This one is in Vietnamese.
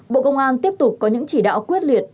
bộ công an tiếp tục có những chỉ đạo quyết liệt